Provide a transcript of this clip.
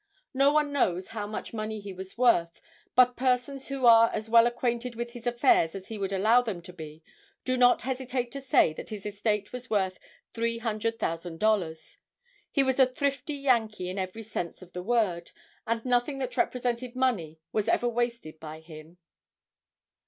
No one knows how much money he was worth, but persons who are as well acquainted with his affairs as he would allow them to be, do not hesitate to say that his estate was worth $300,000. He was a thrifty Yankee in every sense of the word, and nothing that represented money was ever wasted by him.